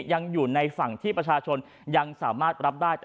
ยังอยู่ในฝั่งที่ประชาชนยังสามารถรับได้